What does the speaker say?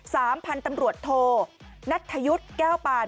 สามพันตำรวจโทนัทยุทธ์แก้วปาน